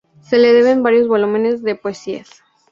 Se le deben varios volúmenes de poesías.